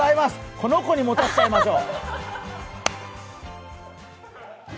この子に持たせちゃいましょう！